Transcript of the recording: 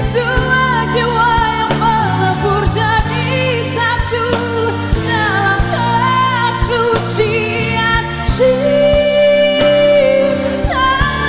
dua jiwa yang melapur jadi satu dalam kesucian cinta